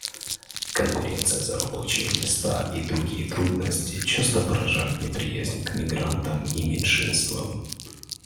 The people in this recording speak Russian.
Конкуренция за рабочие места и другие трудности часто порождают неприязнь к мигрантам и меньшинствам.